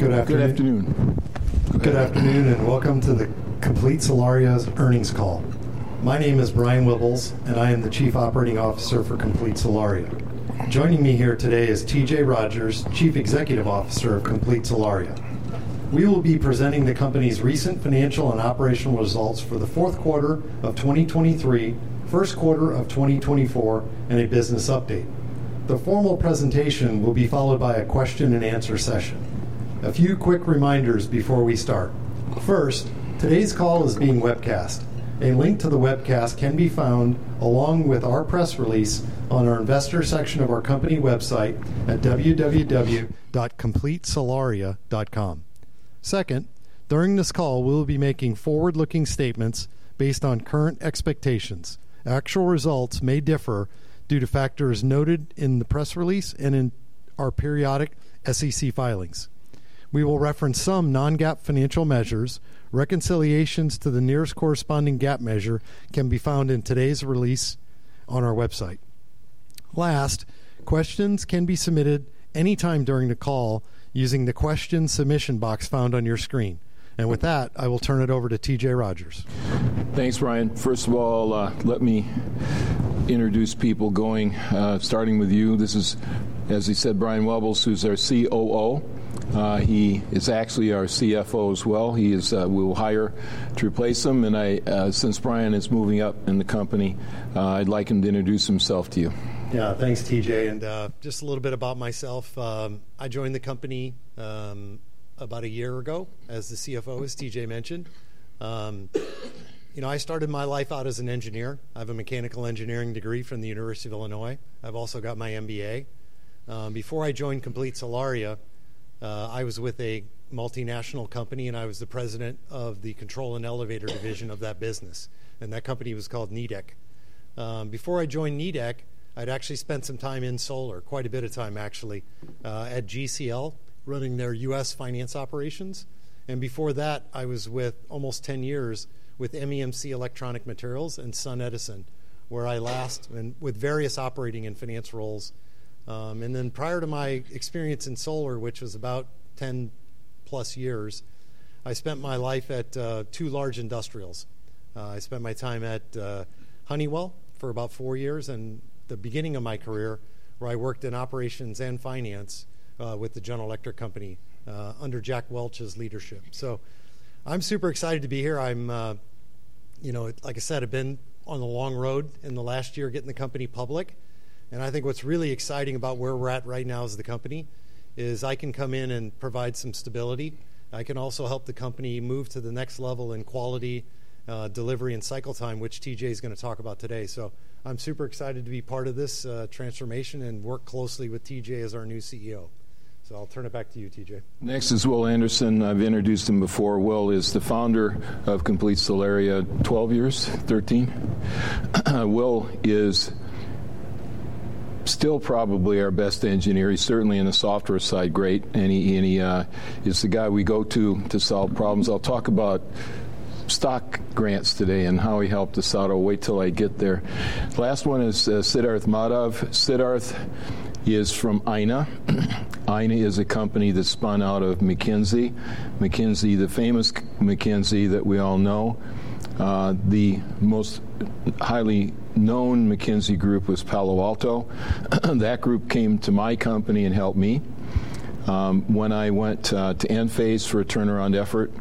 Good afternoon. Good afternoon. Good afternoon, and welcome to Complete Solaria's earnings call. My name is Brian Wuebbels, and I am the Chief Operating Officer for Complete Solaria. Joining me here today is T.J. Rodgers, Chief Executive Officer of Complete Solaria. We will be presenting the company's recent financial and operational results for the fourth quarter of 2023, first quarter of 2024, and a business update. The formal presentation will be followed by a question and answer session. A few quick reminders before we start: First, today's call is being webcast. A link to the webcast can be found, along with our press release, on our investor section of our company website at www.completesolaria.com. Second, during this call, we will be making forward-looking statements based on current expectations. Actual results may differ due to factors noted in the press release and in our periodic SEC filings. We will reference some non-GAAP financial measures. Reconciliations to the nearest corresponding GAAP measure can be found in today's release on our website. Last, questions can be submitted anytime during the call using the question submission box found on your screen. With that, I will turn it over to T.J. Rodgers. Thanks, Brian. First of all, let me introduce people going, starting with you. This is, as he said, Brian Wuebbels, who's our COO. He is actually our CFO as well. He is... We will hire to replace him, and I, since Brian is moving up in the company, I'd like him to introduce himself to you. Yeah. Thanks, T.J. Just a little bit about myself. I joined the company about a year ago as the CFO, as T.J. mentioned. You know, I started my life out as an engineer. I have a mechanical engineering degree from the University of Illinois. I've also got my MBA. Before I joined Complete Solaria, I was with a multinational company, and I was the president of the Control and Elevator division of that business, and that company was called Nidec. Before I joined Nidec, I'd actually spent some time in solar, quite a bit of time, actually, at GCL, running their U.S. finance operations. And before that, I was with almost 10 years with MEMC Electronic Materials and SunEdison, where I and with various operating and finance roles. And then prior to my experience in solar, which was about 10+ years, I spent my life at two large industrials. I spent my time at Honeywell for about four years, and the beginning of my career, where I worked in operations and finance with the General Electric company under Jack Welch's leadership. So I'm super excited to be here. I'm. You know, like I said, I've been on the long road in the last year, getting the company public, and I think what's really exciting about where we're at right now as the company, is I can come in and provide some stability. I can also help the company move to the next level in quality, delivery, and cycle time, which T.J. is gonna talk about today. So I'm super excited to be part of this transformation and work closely with T.J. as our new CEO. So I'll turn it back to you, T.J. Next is Will Anderson. I've introduced him before. Will is the founder of Complete Solaria, 12 years, 13? Will is still probably our best engineer. He's certainly in the software side, great, and he is the guy we go to to solve problems. I'll talk about stock grants today and how he helped us out. I'll wait till I get there. Last one is Siddharth Madhav. Siddharth is from Ayna. Ayna is a company that spun out of McKinsey. McKinsey, the famous McKinsey that we all know. The most highly known McKinsey group was Palo Alto. That group came to my company and helped me. When I went to Enphase for a turnaround effort,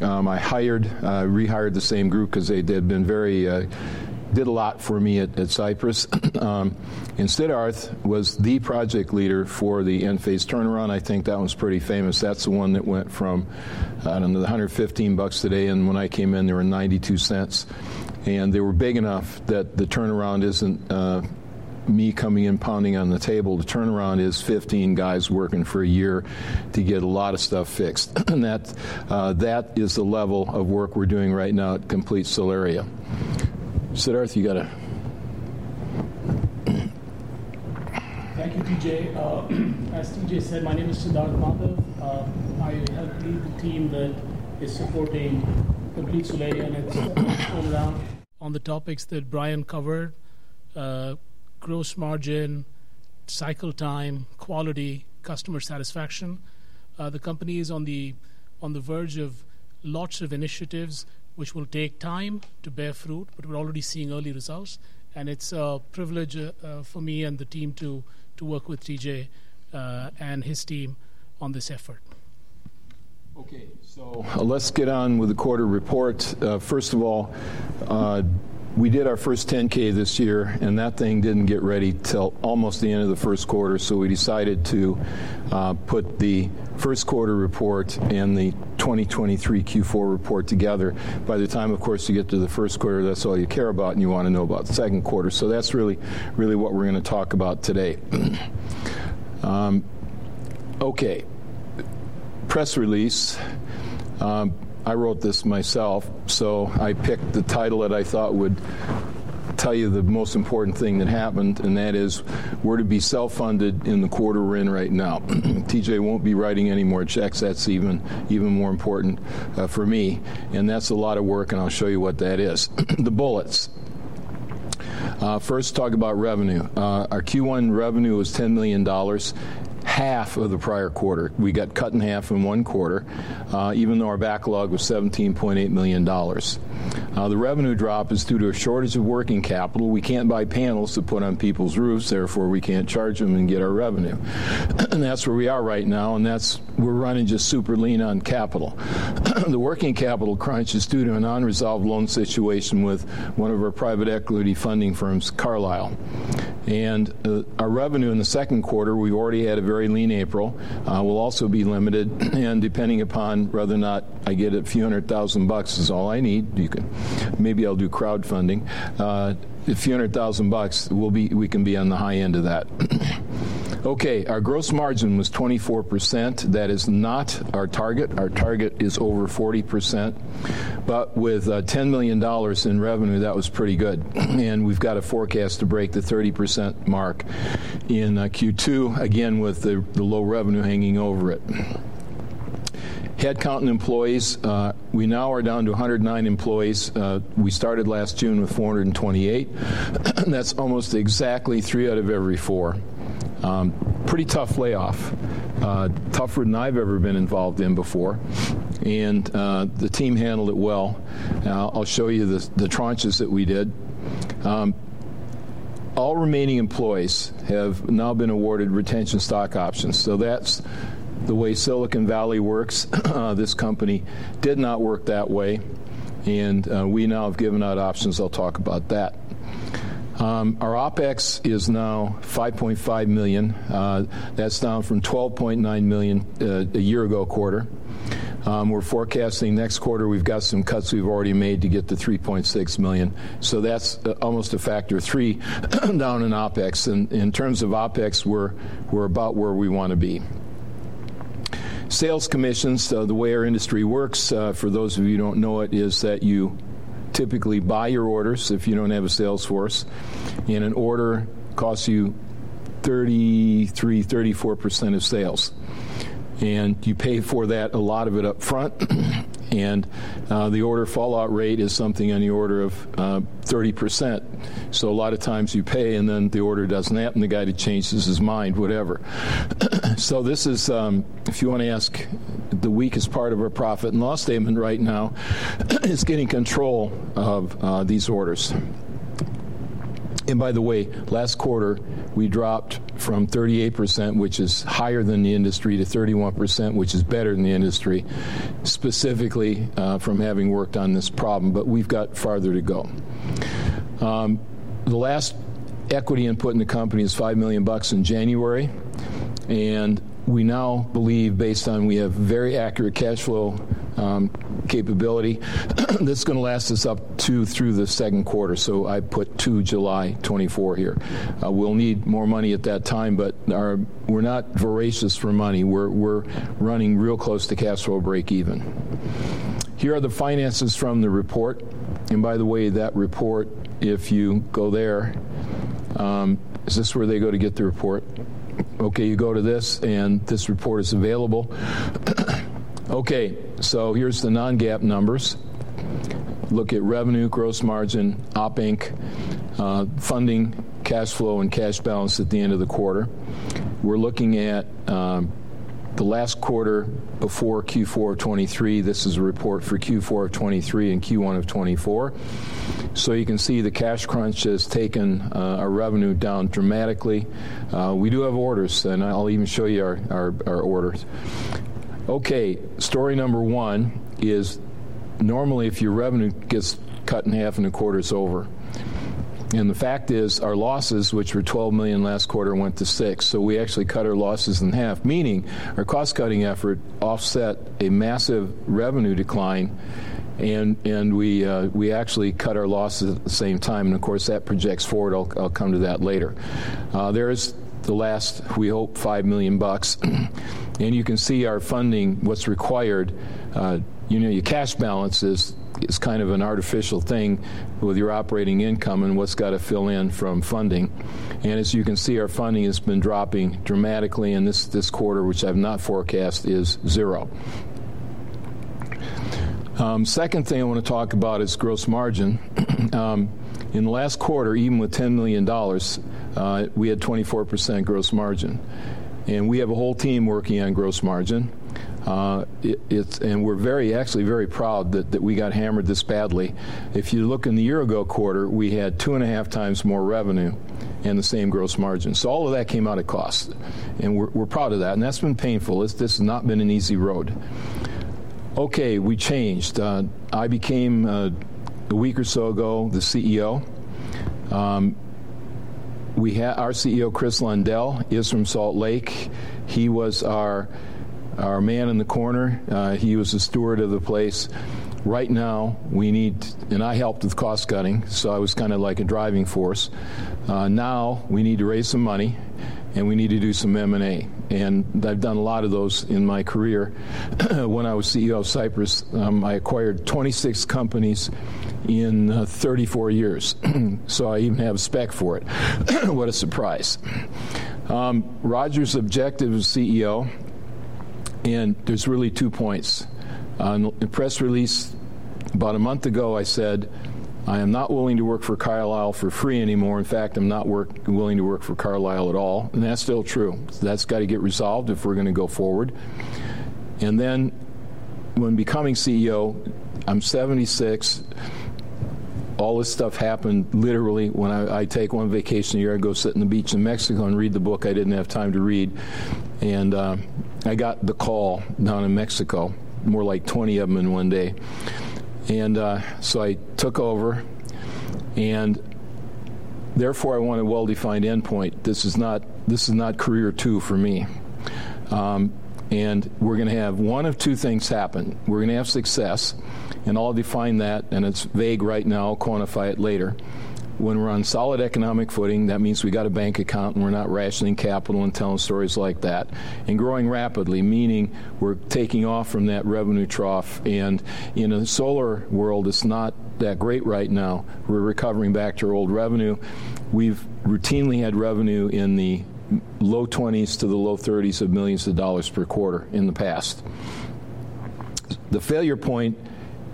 I rehired the same group 'cause they had been very, did a lot for me at Cypress. And Siddharth was the project leader for the Enphase turnaround. I think that one's pretty famous. That's the one that went from, I don't know, $115 today, and when I came in, they were $0.92. And they were big enough that the turnaround isn't me coming in, pounding on the table. The turnaround is 15 guys working for a year to get a lot of stuff fixed. And that is the level of work we're doing right now at Complete Solaria. Siddharth, you got a... Thank you, T.J. As T.J. said, my name is Siddharth Madhav. I help lead the team that is supporting Complete Solaria and its turnaround. On the topics that Brian covered, gross margin, cycle time, quality, customer satisfaction, the company is on the verge of lots of initiatives, which will take time to bear fruit, but we're already seeing early results. And it's a privilege for me and the team to work with T.J. and his team on this effort. Okay, so let's get on with the quarter report. First of all, we did our first 10-K this year, and that thing didn't get ready till almost the end of the first quarter. So we decided to put the first quarter report and the 2023 Q4 report together. By the time, of course, you get to the first quarter, that's all you care about, and you wanna know about the second quarter. So that's really, really what we're gonna talk about today. Okay. Press release. I wrote this myself, so I picked the title that I thought would tell you the most important thing that happened, and that is we're to be self-funded in the quarter we're in right now. T.J. won't be writing any more checks. That's even, even more important, for me, and that's a lot of work, and I'll show you what that is. The bullets.... First, talk about revenue. Our Q1 revenue was $10 million, half of the prior quarter. We got cut in half in one quarter, even though our backlog was $17.8 million. The revenue drop is due to a shortage of working capital. We can't buy panels to put on people's roofs, therefore, we can't charge them and get our revenue. And that's where we are right now, and that's-- we're running just super lean on capital. The working capital crunch is due to an unresolved loan situation with one of our private equity funding firms, Carlyle. Our revenue in the second quarter, we've already had a very lean April, will also be limited, and depending upon whether or not I get $ a few hundred thousand is all I need. Maybe I'll do crowdfunding. $ A few hundred thousand, we can be on the high end of that. Okay, our gross margin was 24%. That is not our target. Our target is over 40%, but with $10 million in revenue, that was pretty good. And we've got a forecast to break the 30% mark in Q2, again, with the low revenue hanging over it. Headcount and employees, we now are down to 109 employees. We started last June with 428. That's almost exactly three out of every four. Pretty tough layoff, tougher than I've ever been involved in before, and the team handled it well. I'll show you the tranches that we did. All remaining employees have now been awarded retention stock options, so that's the way Silicon Valley works. This company did not work that way, and we now have given out options. I'll talk about that. Our OpEx is now $5.5 million. That's down from $12.9 million a year-ago quarter. We're forecasting next quarter, we've got some cuts we've already made to get to $3.6 million, so that's almost a factor of three down in OpEx. And in terms of OpEx, we're about where we want to be. Sales commissions, so the way our industry works, for those of you who don't know it, is that you typically buy your orders if you don't have a sales force, and an order costs you 33%-34% of sales. And you pay for that, a lot of it upfront, and, the order fallout rate is something on the order of, 30%. So a lot of times you pay, and then the order doesn't happen. The guy changes his mind, whatever. So this is, if you want to ask, the weakest part of our profit and loss statement right now, is getting control of, these orders. And by the way, last quarter, we dropped from 38%, which is higher than the industry, to 31%, which is better than the industry, specifically, from having worked on this problem, but we've got farther to go. The last equity input in the company is $5 million in January, and we now believe, based on we have very accurate cash flow capability, this is going to last us up to through the second quarter. So I put to July 2024 here. We'll need more money at that time, but we're not voracious for money. We're running real close to cash flow break even. Here are the finances from the report. And by the way, that report, if you go there. Is this where they go to get the report? Yep. Okay, you go to this, and this report is available. Okay, so here's the non-GAAP numbers. Look at revenue, gross margin, Op Inc, funding, cash flow, and cash balance at the end of the quarter. We're looking at the last quarter before Q4 of 2023. This is a report for Q4 of 2023 and Q1 of 2024. So you can see the cash crunch has taken our revenue down dramatically. We do have orders, and I'll even show you our orders. Okay, story number one is, normally, if your revenue gets cut in half and the quarter is over, and the fact is, our losses, which were $12 million last quarter, went to $6 million. So we actually cut our losses in half, meaning our cost-cutting effort offset a massive revenue decline, and we actually cut our losses at the same time. Of course, that projects forward. I'll, I'll come to that later. There is the last, we hope, $5 million bucks, and you can see our funding, what's required. You know, your cash balance is, is kind of an artificial thing with your operating income and what's got to fill in from funding. And as you can see, our funding has been dropping dramatically, and this, this quarter, which I've not forecast, is zero. Second thing I want to talk about is gross margin. In the last quarter, even with $10 million, we had 24% gross margin, and we have a whole team working on gross margin. It, it's. And we're very, actually very proud that, that we got hammered this badly. If you look in the year ago quarter, we had 2.5 times more revenue and the same gross margin. So all of that came out of cost, and we're proud of that, and that's been painful. It's just not been an easy road. Okay, we changed. I became, a week or so ago, the CEO. We had—Our CEO, Chris Lundell, is from Salt Lake. He was our man in the corner. He was the steward of the place. Right now, we need... And I helped with cost-cutting, so I was kind of like a driving force. Now, we need to raise some money, and we need to do some M&A, and I've done a lot of those in my career. When I was CEO of Cypress, I acquired 26 companies in 34 years. So I even have a spec for it. What a surprise! Rodgers's objective as CEO—and there's really two points. On the press release, about a month ago, I said, "I am not willing to work for Carlyle for free anymore. In fact, I'm not willing to work for Carlyle at all," and that's still true. So that's got to get resolved if we're gonna go forward. And then when becoming CEO, I'm 76. All this stuff happened literally when I take one vacation a year, I go sit on the beach in Mexico and read the book I didn't have time to read, and I got the call down in Mexico, more like 20 of them in one day. And so I took over, and therefore, I want a well-defined endpoint. This is not, this is not career two for me. And we're gonna have one of two things happen. We're gonna have success, and I'll define that, and it's vague right now. I'll quantify it later. When we're on solid economic footing, that means we got a bank account, and we're not rationing capital and telling stories like that, and growing rapidly, meaning we're taking off from that revenue trough, and, you know, the solar world is not that great right now. We're recovering back to our old revenue. We've routinely had revenue in the low 20s-low 30s of $ millions per quarter in the past. The failure point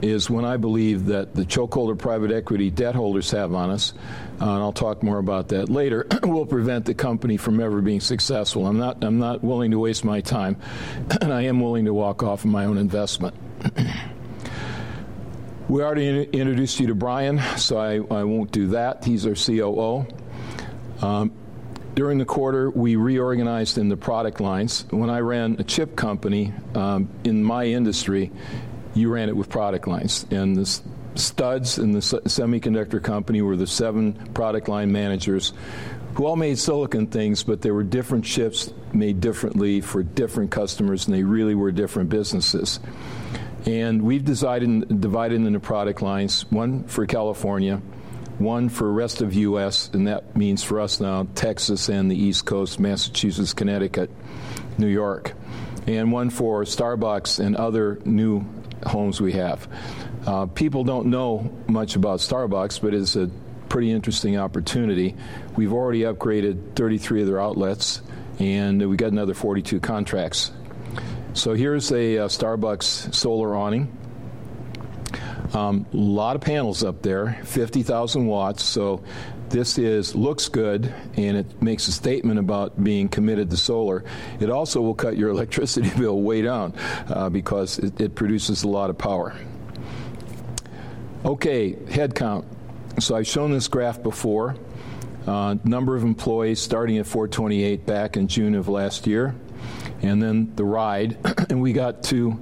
is when I believe that the chokehold or private equity debt holders have on us, and I'll talk more about that later, will prevent the company from ever being successful. I'm not, I'm not willing to waste my time, and I am willing to walk off of my own investment. We already introduced you to Brian, so I, I won't do that. He's our COO. During the quarter, we reorganized in the product lines. When I ran a chip company, in my industry, you ran it with product lines, and the studs in the semiconductor company were the seven product line managers who all made silicon things, but they were different chips made differently for different customers, and they really were different businesses. And we've divided into product lines, one for California, one for rest of U.S., and that means for us now, Texas and the East Coast, Massachusetts, Connecticut, New York, and one for Starbucks and other new homes we have. People don't know much about Starbucks, but it's a pretty interesting opportunity. We've already upgraded 33 of their outlets, and we got another 42 contracts. So here's a Starbucks solar awning. A lot of panels up there, 50,000 watts, so this looks good, and it makes a statement about being committed to solar. It also will cut your electricity bill way down because it produces a lot of power. Okay, headcount. So I've shown this graph before, number of employees starting at 428 back in June of last year, and then the ride. And we got to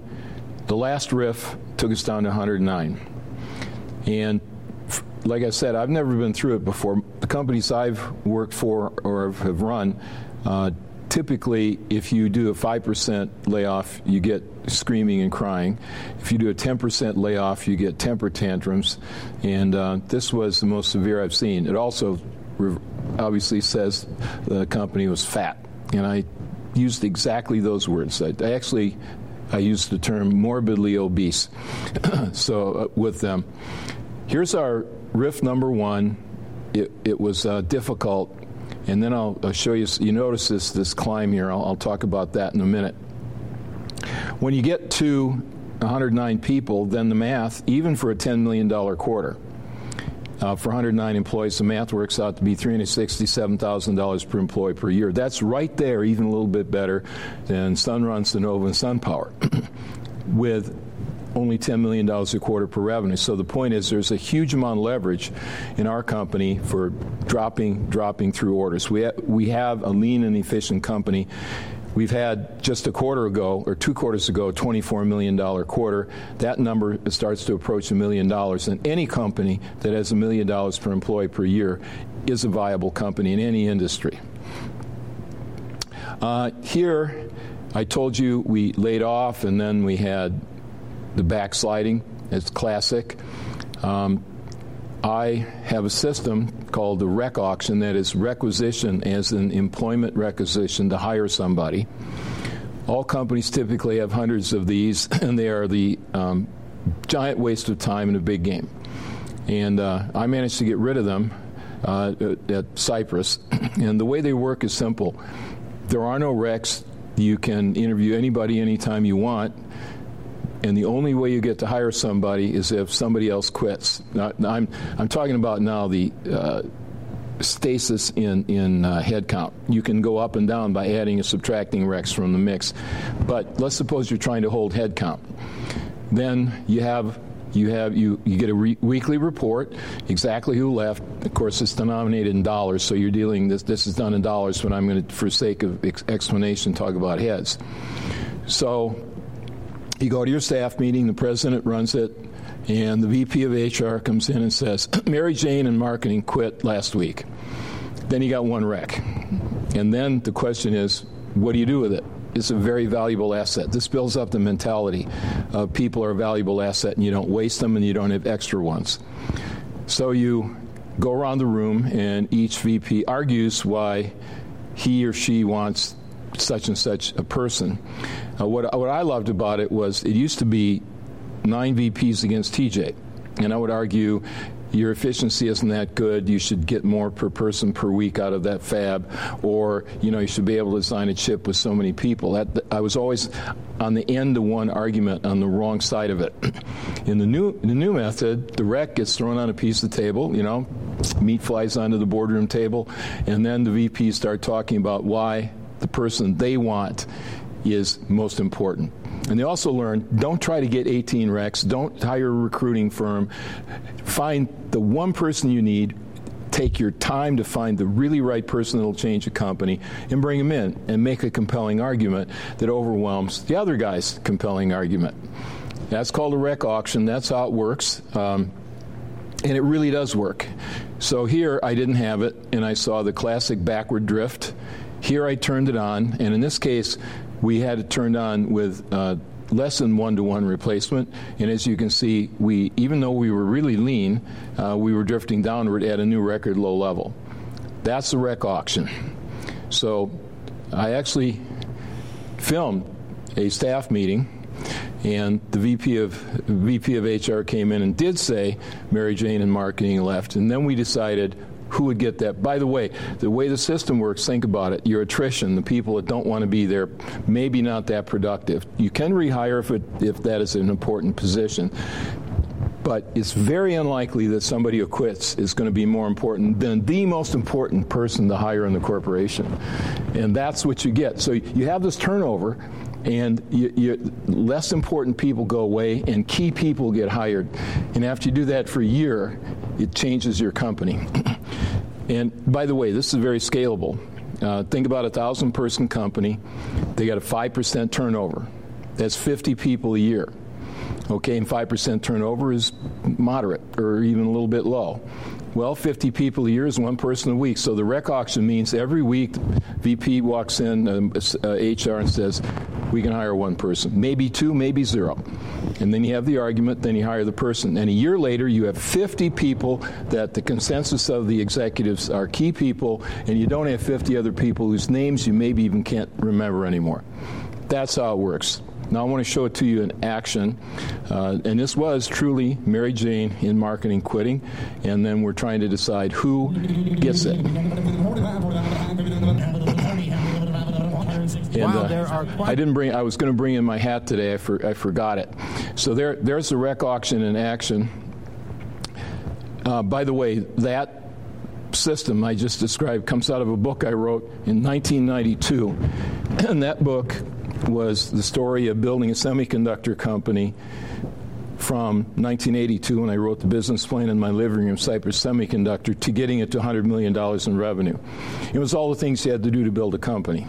the last RIF took us down to 109. And like I said, I've never been through it before. The companies I've worked for or have run, typically, if you do a 5% layoff, you get screaming and crying. If you do a 10% layoff, you get temper tantrums, and this was the most severe I've seen. It also obviously says the company was fat, and I used exactly those words. I actually used the term morbidly obese, so with them. Here's our RIF number one. It was difficult, and then I'll show you. You notice this climb here. I'll talk about that in a minute. When you get to 109 people, then the math, even for a $10 million quarter, for 109 employees, the math works out to be $367,000 per employee per year. That's right there, even a little bit better than Sunrun, Sunnova, and SunPower with only $10 million a quarter per revenue. So the point is, there's a huge amount of leverage in our company for dropping through orders. We have a lean and efficient company. We've had just a quarter ago or two quarters ago, a $24 million quarter. That number, it starts to approach $1 million, and any company that has $1 million per employee per year is a viable company in any industry. Here, I told you we laid off, and then we had the backsliding. It's classic. I have a system called the req auction. That is requisition, as in employment requisition, to hire somebody. All companies typically have hundreds of these, and they are the giant waste of time and a big game. And I managed to get rid of them at Cypress. And the way they work is simple. There are no reqs. You can interview anybody, anytime you want, and the only way you get to hire somebody is if somebody else quits. I'm talking about the stasis in headcount. You can go up and down by adding and subtracting reqs from the mix. But let's suppose you're trying to hold headcount, then you get a weekly report, exactly who left. Of course, it's denominated in dollars, so you're dealing. This is done in dollars, but I'm gonna, for sake of explanation, talk about heads. So you go to your staff meeting, the president runs it, and the VP of HR comes in and says, "Mary Jane in marketing quit last week." Then you got one req, and then the question is, what do you do with it? It's a very valuable asset. This builds up the mentality of people are a valuable asset, and you don't waste them, and you don't have extra ones. So you go around the room, and each VP argues why he or she wants such and such a person. What I loved about it was it used to be nine VPs against T.J. And I would argue, your efficiency isn't that good. You should get more per person per week out of that fab, or, you know, you should be able to design a chip with so many people. That I was always on the end of one argument, on the wrong side of it. In the new method, the req gets thrown on a piece of the table, you know, meat flies onto the boardroom table, and then the VPs start talking about why the person they want is most important. They also learn, don't try to get 18 reqs. Don't hire a recruiting firm. Find the one person you need, take your time to find the really right person that'll change the company, and bring them in, and make a compelling argument that overwhelms the other guy's compelling argument. That's called a req auction. That's how it works, and it really does work. So here, I didn't have it, and I saw the classic backward drift. Here, I turned it on, and in this case, we had it turned on with less than 1-to-1 replacement, and as you can see, even though we were really lean, we were drifting downward at a new record low level. That's the Req auction. So I actually filmed a staff meeting, and the VP of HR came in and did say, "Mary Jane in marketing left," and then we decided who would get that. By the way, the way the system works, think about it, your attrition, the people that don't wanna be there, may be not that productive. You can rehire if it-if that is an important position, but it's very unlikely that somebody who quits is gonna be more important than the most important person to hire in the corporation, and that's what you get. So you have this turnover, and less important people go away, and key people get hired. And after you do that for a year, it changes your company. And by the way, this is very scalable. Think about a 1,000-person company. They got a 5% turnover. That's 50 people a year, okay? And 5% turnover is moderate or even a little bit low. Well, 50 people a year is one person a week. So the req auction means every week, VP walks in, HR, and says, "We're gonna hire one person, maybe two, maybe zero." And then you have the argument, then you hire the person. Then, a year later, you have 50 people that the consensus of the executives are key people, and you don't have 50 other people whose names you maybe even can't remember anymore. That's how it works. Now, I wanna show it to you in action, and this was truly Mary Jane in marketing quitting, and then we're trying to decide who gets it. And, I didn't bring- I was gonna bring in my hat today. I forgot it. So there, there's the req auction in action. By the way, that system I just described comes out of a book I wrote in 1992, and that book was the story of building a semiconductor company from 1982, when I wrote the business plan in my living room, Cypress Semiconductor, to getting it to $100 million in revenue. It was all the things you had to do to build a company,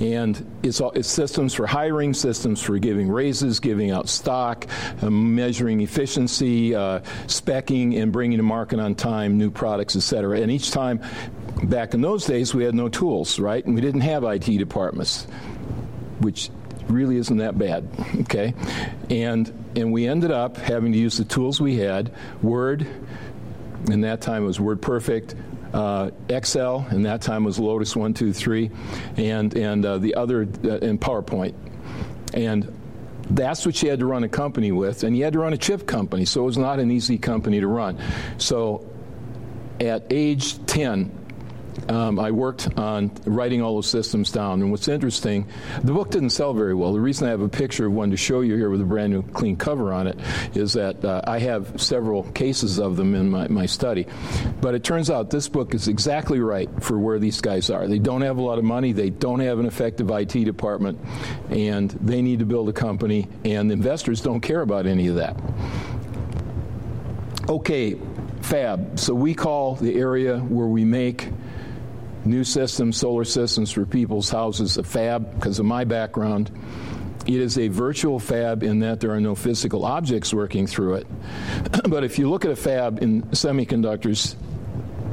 and it's all—it's systems for hiring, systems for giving raises, giving out stock, measuring efficiency, speccing and bringing to market on time, new products, et cetera, and each time, back in those days, we had no tools, right? And we didn't have IT departments, which really isn't that bad, okay? And we ended up having to use the tools we had, Word—in that time it was WordPerfect—Excel—in that time it was Lotus 1-2-3—and PowerPoint, and that's what you had to run a company with, and you had to run a chip company, so it was not an easy company to run. So at age 10, I worked on writing all those systems down, and what's interesting, the book didn't sell very well. The reason I have a picture of one to show you here with a brand-new, clean cover on it, is that, I have several cases of them in my study. But it turns out this book is exactly right for where these guys are. They don't have a lot of money. They don't have an effective IT department, and they need to build a company, and investors don't care about any of that. Okay, fab. So we call the area where we make new systems, solar systems for people's houses, a fab, 'cause of my background. It is a virtual fab in that there are no physical objects working through it, but if you look at a fab in semiconductors,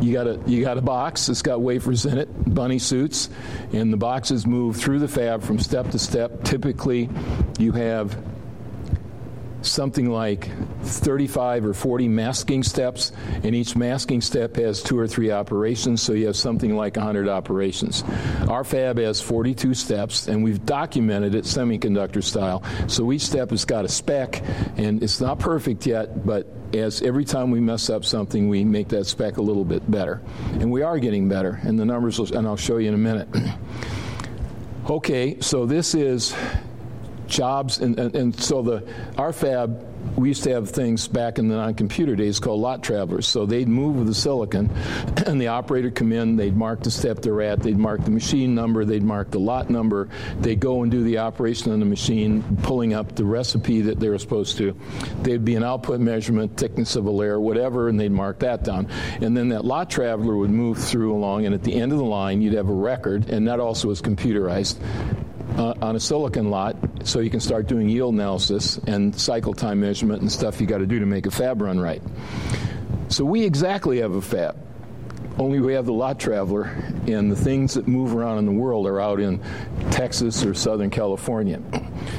you got a box that's got wafers in it, bunny suits, and the boxes move through the fab from step to step. Typically, you have something like 35 or 40 masking steps, and each masking step has two or three operations, so you have something like 100 operations. Our fab has 42 steps, and we've documented it semiconductor style, so each step has got a spec, and it's not perfect yet, but as every time we mess up something, we make that spec a little bit better, and we are getting better, and the numbers, and I'll show you in a minute. Okay, so this is jobs, and so the... Our fab, we used to have things back in the non-computer days called lot travelers. So they'd move the silicon, and the operator'd come in. They'd mark the step they're at. They'd mark the machine number. They'd mark the lot number. They'd go and do the operation on the machine, pulling up the recipe that they were supposed to. There'd be an output measurement, thickness of a layer, whatever, and they'd mark that down, and then that lot traveler would move through along, and at the end of the line, you'd have a record, and that also was computerized on a silicon lot, so you can start doing yield analysis and cycle time measurement and stuff you gotta do to make a fab run right. So we exactly have a fab, only we have the lot traveler, and the things that move around in the world are out in Texas or Southern California.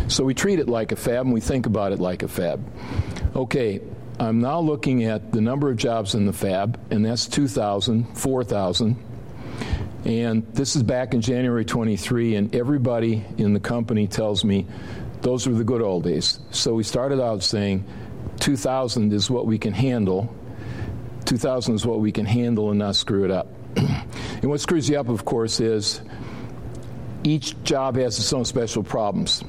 So we treat it like a fab, and we think about it like a fab. Okay, I'm now looking at the number of jobs in the fab, and that's 2,000, 4,000.... And this is back in January 2023, and everybody in the company tells me, "Those were the good old days." So we started out saying, "2,000 is what we can handle. 2,000 is what we can handle and not screw it up." And what screws you up, of course, is each job has its own special problems,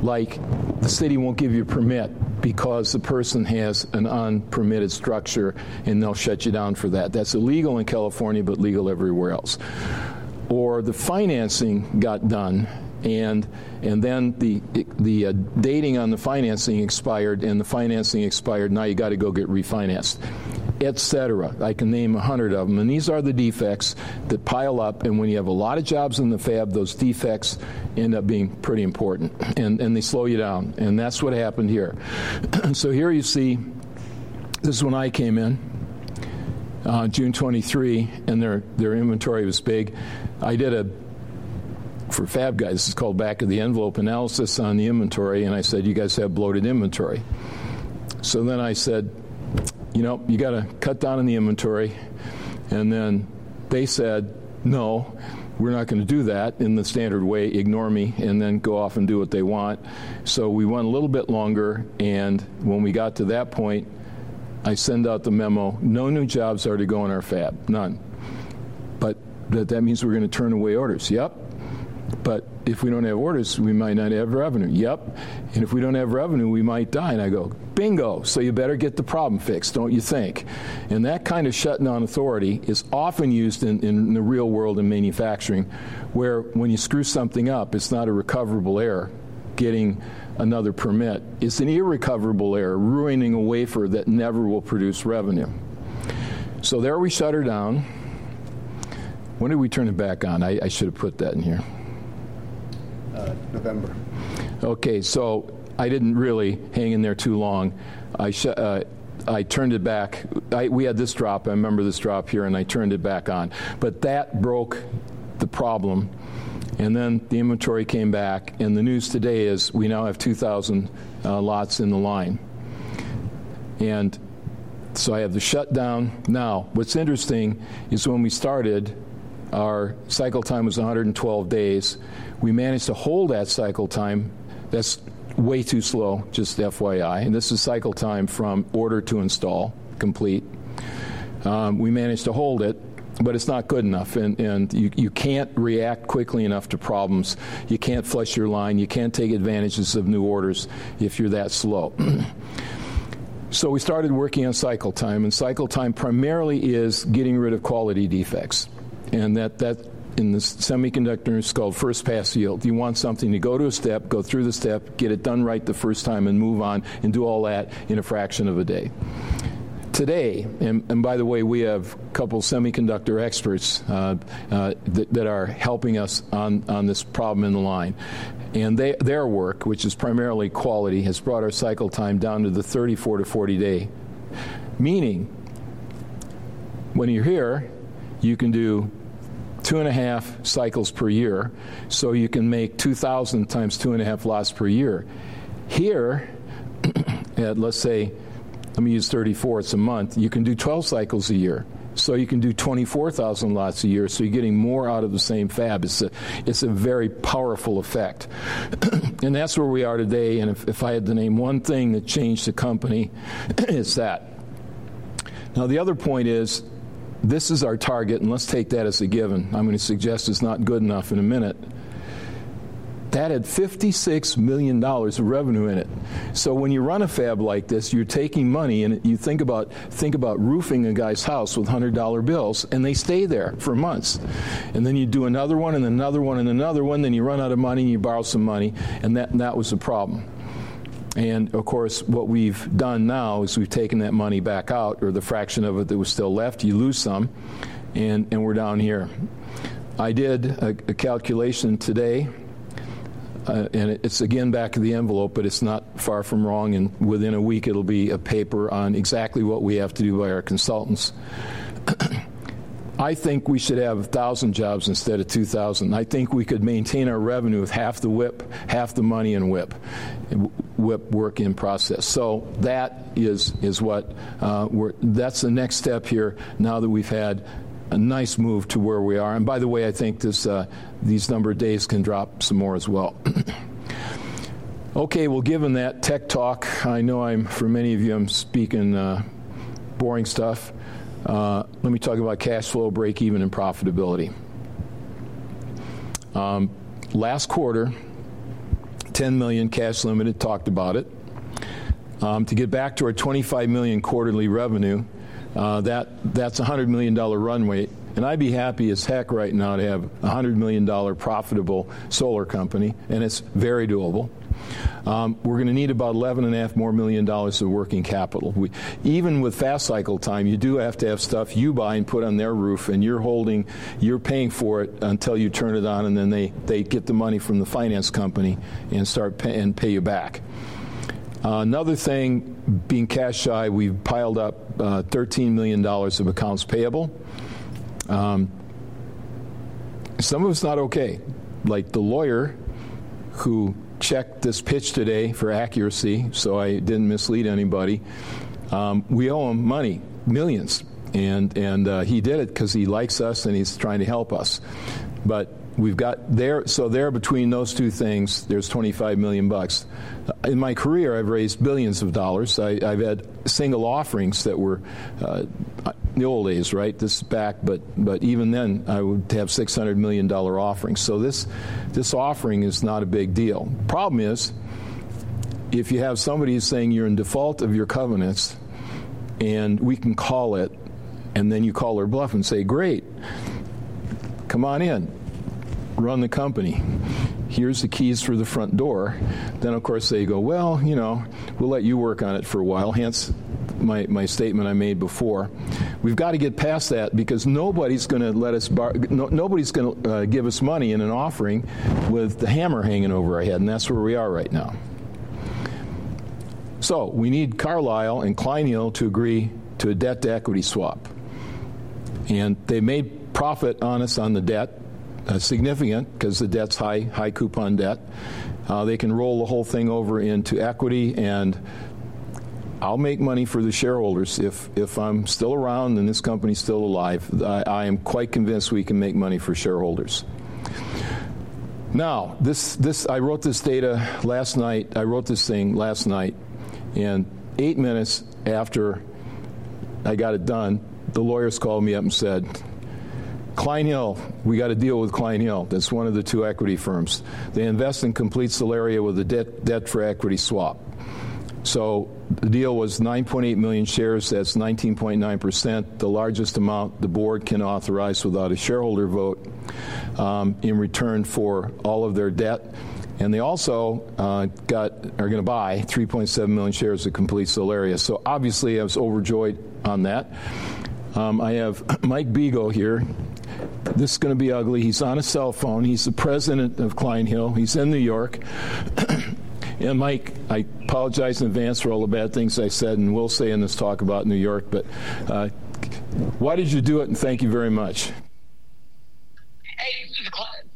like the city won't give you a permit because the person has an unpermitted structure, and they'll shut you down for that. That's illegal in California, but legal everywhere else. Or the financing got done, and then the dating on the financing expired, and the financing expired. Now you got to go get refinanced, et cetera. I can name 100 of them, and these are the defects that pile up, and when you have a lot of jobs in the fab, those defects end up being pretty important, and they slow you down, and that's what happened here. So here you see, this is when I came in, June 23, and their inventory was big. I did a—for fab guys, this is called back-of-the-envelope analysis on the inventory, and I said, "You guys have bloated inventory." So then I said, "You know, you got to cut down on the inventory." And then they said, "No, we're not going to do that," in the standard way, ignore me, and then go off and do what they want. So we went a little bit longer, and when we got to that point, I send out the memo, "No new jobs are to go in our fab. None." "But that, that means we're going to turn away orders." "Yep." "But if we don't have orders, we might not have revenue." "Yep." "And if we don't have revenue, we might die." And I go, "Bingo! So you better get the problem fixed, don't you think?" And that kind of shutting on authority is often used in the real world in manufacturing, where when you screw something up, it's not a recoverable error, getting another permit. It's an irrecoverable error, ruining a wafer that never will produce revenue. So there we shut her down. When did we turn it back on? I should have put that in here. Uh, November. Okay, so I didn't really hang in there too long. I turned it back... We had this drop. I remember this drop here, and I turned it back on, but that broke the problem, and then the inventory came back, and the news today is we now have 2,000 lots in the line. And so I have the shutdown. Now, what's interesting is when we started, our cycle time was 112 days. We managed to hold that cycle time. That's way too slow, just FYI, and this is cycle time from order to install, complete. We managed to hold it, but it's not good enough, and, and you, you can't react quickly enough to problems. You can't flush your line. You can't take advantages of new orders if you're that slow. So we started working on cycle time, and cycle time primarily is getting rid of quality defects, and that, in the semiconductor, is called first pass yield. You want something to go to a step, go through the step, get it done right the first time, and move on, and do all that in a fraction of a day. Today, by the way, we have a couple semiconductor experts that are helping us on this problem in the line, and their work, which is primarily quality, has brought our cycle time down to the 34-40 day, meaning when you're here, you can do 2.5 cycles per year, so you can make 2,000 times 2.5 lots per year. Here, let's say... Let me use 34. It's a month. You can do 12 cycles a year. So you can do 24,000 lots a year, so you're getting more out of the same fab. It's a, it's a very powerful effect. And that's where we are today, and if, if I had to name one thing that changed the company, it's that. Now, the other point is, this is our target, and let's take that as a given. I'm going to suggest it's not good enough in a minute. That had $56 million of revenue in it. So when you run a fab like this, you're taking money, and you think about, think about roofing a guy's house with hundred-dollar bills, and they stay there for months. And then you do another one and another one and another one, then you run out of money, and you borrow some money, and that, that was the problem. Of course, what we've done now is we've taken that money back out, or the fraction of it that was still left. You lose some, and we're down here. I did a calculation today, and it's again, back of the envelope, but it's not far from wrong, and within a week, it'll be a paper on exactly what we have to do by our consultants. I think we should have 1,000 jobs instead of 2,000. I think we could maintain our revenue with half the WIP, half the money and WIP, work in process. So that is what we're. That's the next step here now that we've had a nice move to where we are, and by the way, I think this number of days can drop some more as well. Okay, well, given that tech talk, I know I'm for many of you, I'm speaking boring stuff. Let me talk about cash flow, break even, and profitability. Last quarter, $10 million cash limited, talked about it. To get back to our $25 million quarterly revenue, that, that's a $100 million runway, and I'd be happy as heck right now to have a $100 million profitable solar company, and it's very doable. We're gonna need about $11.5 million more of working capital. We even with fast cycle time, you do have to have stuff you buy and put on their roof, and you're holding, you're paying for it until you turn it on, and then they, they get the money from the finance company and start pay... and pay you back. Another thing, being cash shy, we've piled up $13 million of accounts payable. Some of it's not okay. Like the lawyer who checked this pitch today for accuracy, so I didn't mislead anybody, we owe him money, millions, and he did it 'cause he likes us, and he's trying to help us. But we've got there, so there between those two things, there's $25 million. In my career, I've raised billions of dollars. I, I've had single offerings that were, in the old days, right? This is back, but even then, I would have $600 million offerings. So this, this offering is not a big deal. Problem is, if you have somebody who's saying you're in default of your covenants, and we can call it, and then you call their bluff and say, "Great! Come on in. Run the company. Here's the keys through the front door." Then, of course, they go, "Well, you know, we'll let you work on it for a while," hence my statement I made before. We've got to get past that because nobody's gonna let us borrow, nobody's gonna give us money in an offering with the hammer hanging over our head, and that's where we are right now. So we need Carlyle and Kline Hill to agree to a debt-to-equity swap. And they made profit on us on the debt, significant, 'cause the debt's high, high-coupon debt. They can roll the whole thing over into equity, and I'll make money for the shareholders. If I'm still around and this company's still alive, I am quite convinced we can make money for shareholders. Now, this—I wrote this data last night. I wrote this thing last night, and 8 minutes after I got it done, the lawyers called me up and said, "Kline Hill, we got a deal with Kline Hill." That's one of the two equity firms. They invest in Complete Solaria with a debt, debt for equity swap. So the deal was 9.8 million shares. That's 19.9%, the largest amount the board can authorize without a shareholder vote, in return for all of their debt. And they also are gonna buy 3.7 million shares of Complete Solaria. So obviously, I was overjoyed on that. I have Mike Bego here. This is gonna be ugly. He's on a cell phone. He's the president of Kline Hill. He's in New York. Mike, I apologize in advance for all the bad things I said and will say in this talk about New York, but why did you do it? Thank you very much.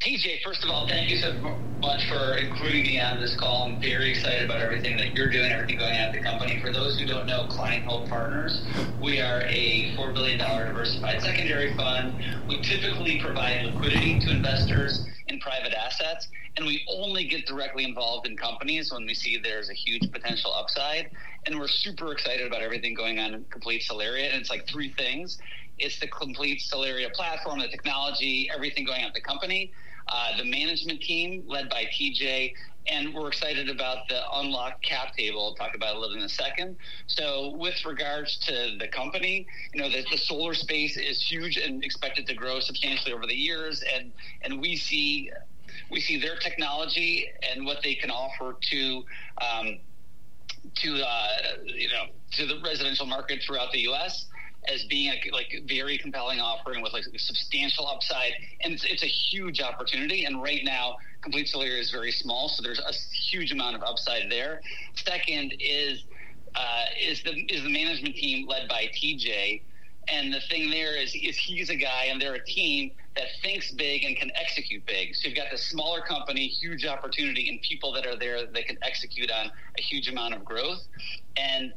Hey, TJ, first of all, thank you so much for including me on this call. I'm very excited about everything that you're doing, everything going on at the company. For those who don't know Kline Hill Partners, we are a $4 billion diversified secondary fund. We typically provide liquidity to investors in private assets, and we only get directly involved in companies when we see there's a huge potential upside. We're super excited about everything going on in Complete Solaria, and it's, like, three things. It's the Complete Solaria platform, the technology, everything going on at the company, the management team, led by TJ, and we're excited about the unlocked cap table. I'll talk about it a little in a second. So with regards to the company, you know, the solar space is huge and expected to grow substantially over the years, and we see their technology and what they can offer to you know, to the residential market throughout the U.S. as being a like, very compelling offering with like, substantial upside. And it's a huge opportunity, and right now, Complete Solaria is very small, so there's a huge amount of upside there. Second is the management team, led by T.J., and the thing there is he's a guy, and they're a team that thinks big and can execute big. So you've got this smaller company, huge opportunity, and people that are there that can execute on a huge amount of growth. And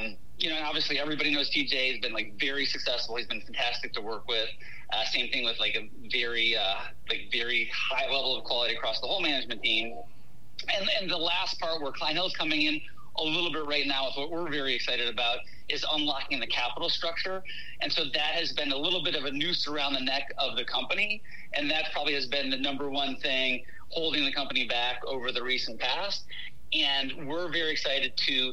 you know, obviously, everybody knows T.J. has been like, very successful. He's been fantastic to work with. Same thing with, like, a very, like, very high level of quality across the whole management team. And then, and the last part where Kline Hill is coming in a little bit right now is what we're very excited about, is unlocking the capital structure. And so that has been a little bit of a noose around the neck of the company, and that probably has been the number one thing holding the company back over the recent past. And we're very excited to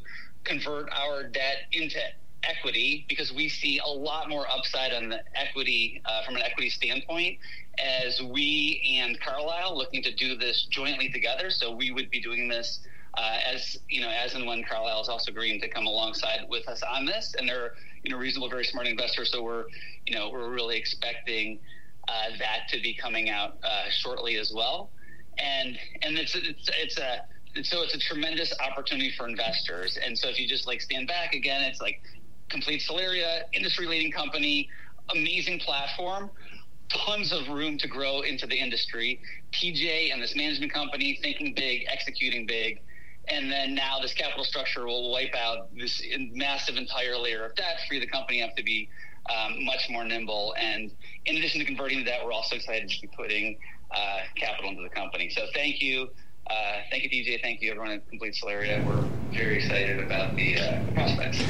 convert our debt into equity because we see a lot more upside on the equity, from an equity standpoint, as we and Carlyle looking to do this jointly together. So we would be doing this, as you know, as and when Carlyle is also agreeing to come alongside with us on this, and they're, you know, reasonable, very smart investors, so we're, you know, we're really expecting that to be coming out shortly as well. And it's a tremendous opportunity for investors. And so if you just, like, stand back again, it's like Complete Solaria, industry-leading company, amazing platform, tons of room to grow into the industry, TJ and this management company thinking big, executing big, and then now this capital structure will wipe out this massive entire layer of debt, free the company up to be much more nimble. And in addition to converting the debt, we're also excited to be putting capital into the company. So thank you. Thank you, TJ. Thank you, everyone at Complete Solaria. We're very excited about the prospects.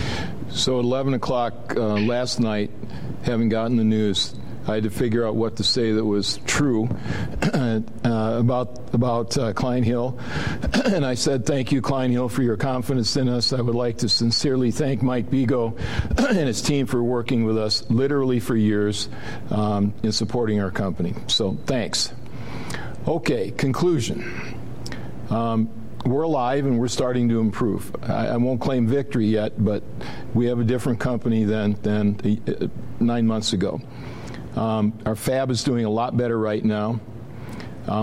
So at 11 o'clock last night, having gotten the news, I had to figure out what to say that was true about Kline Hill. And I said, "Thank you, Kline Hill, for your confidence in us. I would like to sincerely thank Mike Beagle and his team for working with us literally for years in supporting our company." So thanks. Okay, conclusion. We're alive, and we're starting to improve. I won't claim victory yet, but we have a different company than nine months ago. Our fab is doing a lot better right now.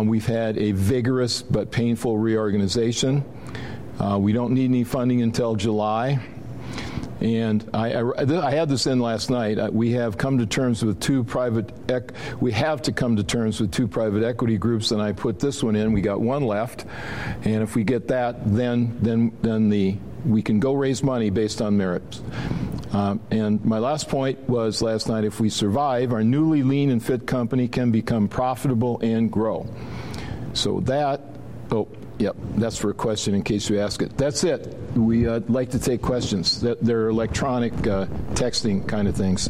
We've had a vigorous but painful reorganization. We don't need any funding until July. And I had this in last night. We have come to terms with two private equity groups, and I put this one in. We got one left, and if we get that, we can go raise money based on merits. And my last point was last night, if we survive, our newly lean and fit company can become profitable and grow. So that... Oh, yep, that's for a question, in case you ask it. That's it. We like to take questions. There are electronic texting kind of things.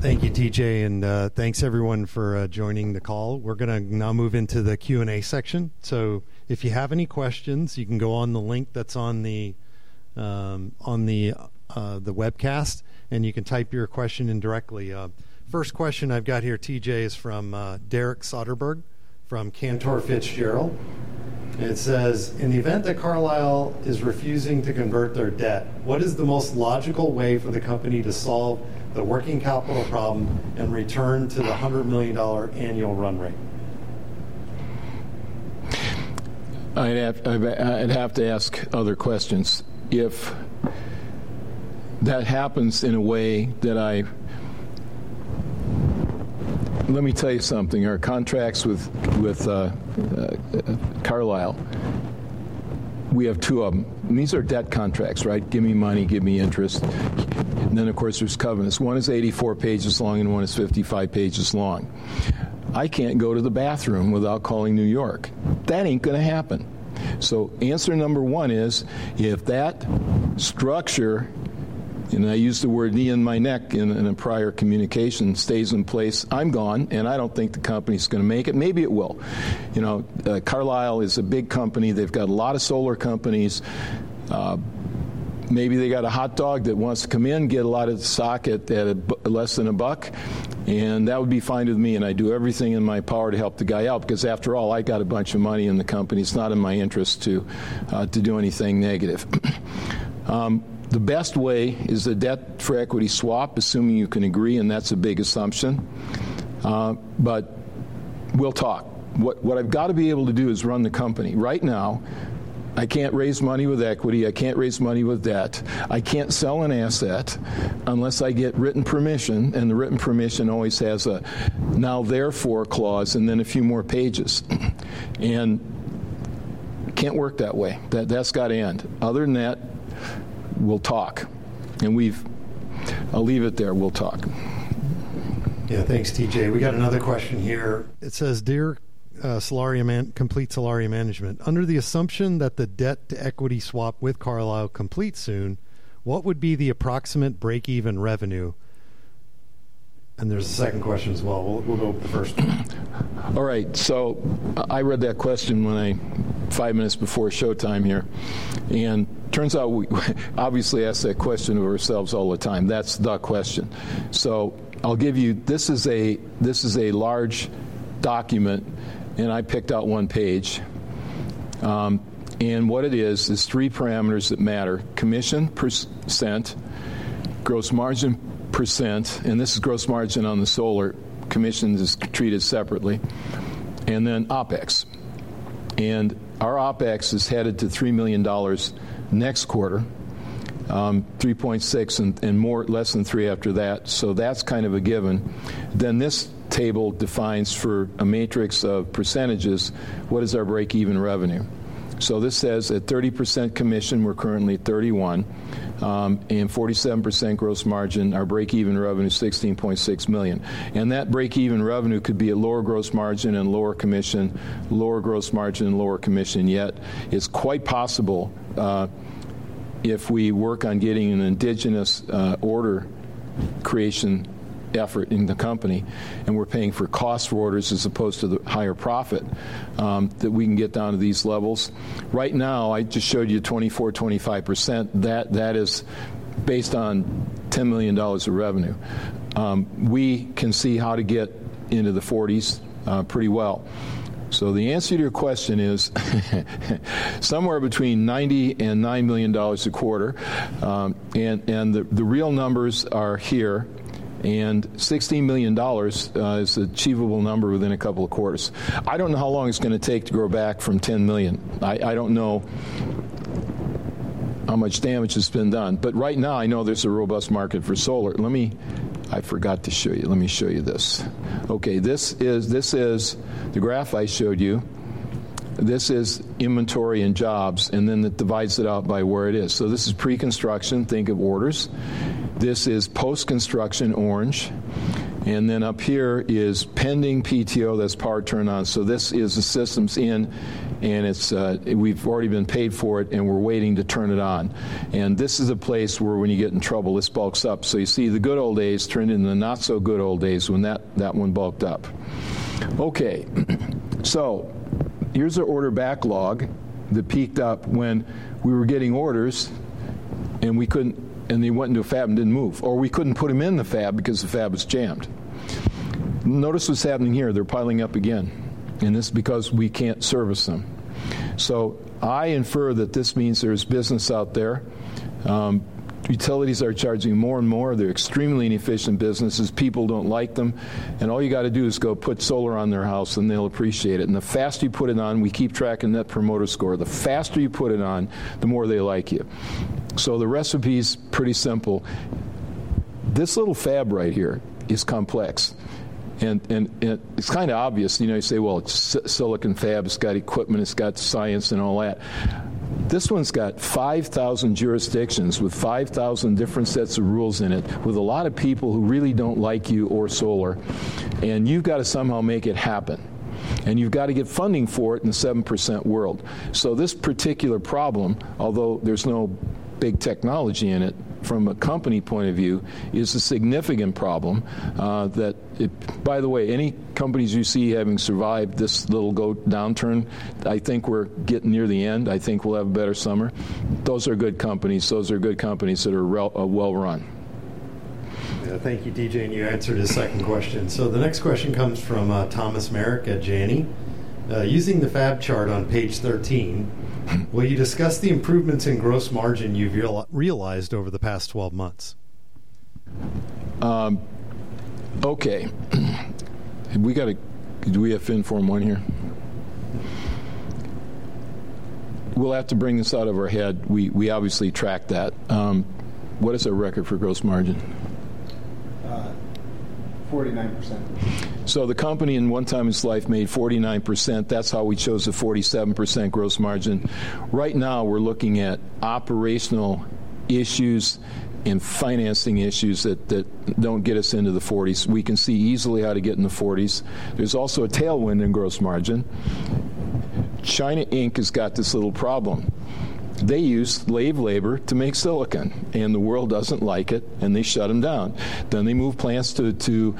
Thank you, TJ, and, thanks, everyone, for joining the call. We're gonna now move into the Q&A section. So if you have any questions, you can go on the link that's on the webcast, and you can type your question in directly. First question I've got here, TJ, is from Derek Soderberg from Cantor Fitzgerald. It says, "In the event that Carlyle is refusing to convert their debt, what is the most logical way for the company to solve the working capital problem and return to the $100 million annual run rate? I'd have to ask other questions. If that happens in a way that I... Let me tell you something. Our contracts with Carlyle, we have two of them, and these are debt contracts, right? Give me money, give me interest, and then, of course, there's covenants. One is 84 pages long, and one is 55 pages long. I can't go to the bathroom without calling New York. That ain't gonna happen. So answer number one is, if that structure, and I used the word knee in my neck in a prior communication, stays in place, I'm gone, and I don't think the company's gonna make it. Maybe it will. You know, Carlyle is a big company. They've got a lot of solar companies. Maybe they got a hot dog that wants to come in, get a lot of the stock at less than $1, and that would be fine with me, and I'd do everything in my power to help the guy out, 'cause after all, I got a bunch of money in the company. It's not in my interest to do anything negative. The best way is a debt-for-equity swap, assuming you can agree, and that's a big assumption. But we'll talk. What I've got to be able to do is run the company. Right now, I can't raise money with equity. I can't raise money with debt. I can't sell an asset unless I get written permission, and the written permission always has a "now therefore" clause and then a few more pages. Can't work that way. That, that's got to end. Other than that, we'll talk, and we've. I'll leave it there. We'll talk. Yeah. Thanks, TJ. We got another question here. It says, "Dear Complete Solaria management, under the assumption that the debt-to-equity swap with Carlyle completes soon, what would be the approximate break-even revenue?" And there's a second question as well. We'll go with the first one. All right, so I read that question when I... 5 minutes before showtime here, and turns out we obviously ask that question to ourselves all the time. That's the question. So I'll give you— This is a, this is a large document, and I picked out one page. And what it is, is three parameters that matter: commission percent, gross margin percent, and this is gross margin on the solar. Commission is treated separately, and then OpEx. And our OpEx is headed to $3 million next quarter, 3.6 and, and more—less than 3 after that, so that's kind of a given. Then, this table defines for a matrix of percentages, what is our break-even revenue? So this says that 30% commission, we're currently at 31, and 47% gross margin. Our break-even revenue is $16.6 million, and that break-even revenue could be a lower gross margin and lower commission, lower gross margin and lower commission, yet it's quite possible, if we work on getting an indigenous order creation effort in the company, and we're paying for cost for orders as opposed to the higher profit, that we can get down to these levels. Right now, I just showed you 24%-25%. That, that is based on $10 million of revenue. We can see how to get into the 40s pretty well. So the answer to your question is, somewhere between $90 million and $99 million a quarter, and, and the, the real numbers are here, and $16 million is an achievable number within a couple of quarters. I don't know how long it's gonna take to grow back from $10 million. I, I don't know how much damage has been done, but right now I know there's a robust market for solar. Let me. I forgot to show you. Let me show you this. Okay. This is, this is the graph I showed you. This is inventory and jobs, and then it divides it out by where it is. So this is pre-construction. Think of orders. This is post-construction, orange, and then up here is pending PTO. That's power turn on. So this is the systems in, and it's, we've already been paid for it, and we're waiting to turn it on. And this is a place where when you get in trouble, this bulks up. So you see, the good old days turned into the not so good old days when that, that one bulked up. Okay, so here's our order backlog that peaked up when we were getting orders, and we couldn't—and they went into a fab and didn't move, or we couldn't put them in the fab because the fab was jammed. Notice what's happening here. They're piling up again, and it's because we can't service them. So I infer that this means there's business out there. Utilities are charging more and more. They're extremely inefficient businesses. People don't like them, and all you gotta do is go put solar on their house, and they'll appreciate it, and the faster you put it on, we keep tracking that promoter score. The faster you put it on, the more they like you. So the recipe's pretty simple. This little fab right here is complex, and it's kind of obvious. You know, you say, "Well, it's silicon fab. It's got equipment, it's got science, and all that." This one's got 5,000 jurisdictions with 5,000 different sets of rules in it, with a lot of people who really don't like you or solar, and you've got to somehow make it happen, and you've got to get funding for it in a 7% world. So this particular problem, although there's no big technology in it from a company point of view, is a significant problem that it— By the way, any companies you see having survived this little goat downturn, I think we're getting near the end. I think we'll have a better summer. Those are good companies. Those are good companies that are well-run. Thank you, TJ, and you answered his second question. So the next question comes from Thomas Meric at Janney. "Using the fab chart on page 13, will you discuss the improvements in gross margin you've realized over the past 12 months? Okay. Do we have Fin Form one here? We'll have to bring this out of our head. We obviously tracked that. What is our record for gross margin? 49%. So the company, in one time in its life, made 49%. That's how we chose the 47% gross margin. Right now, we're looking at operational issues and financing issues that don't get us into the 40s. We can see easily how to get in the 40s. There's also a tailwind in gross margin. China Inc. has got this little problem. They use slave labor to make silicon, and the world doesn't like it, and they shut them down. Then they move plants to